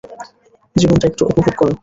জীবনটা একটু উপভোগ করো।